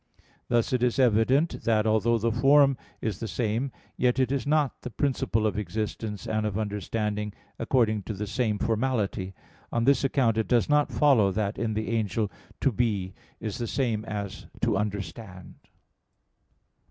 Thus it is evident, that, although the form is the same, yet it is not the principle of existence and of understanding according to the same formality. On this account it does not follow that in the angel "to be" is the same as 'to understand.'